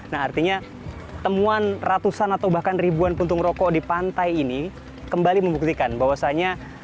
nah artinya temuan ratusan atau bahkan ribuan puntung rokok di pantai ini kembali membuktikan bahwasannya